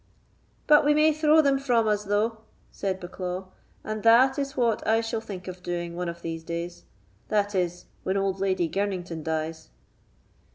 "But we may throw them from us, though," said Bucklaw, "and that is what I shall think of doing one of these days—that is, when old Lady Girnington dies."